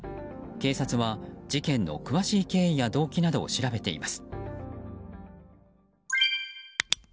警察は事件の詳しい経緯や動機などを調べています。